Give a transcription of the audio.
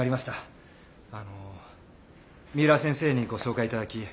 あの三浦先生にご紹介頂き